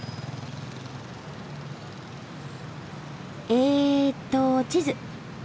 えっと地図。